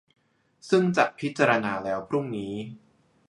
ซึ่งจะพิจารณาแล้วพรุ่งนี้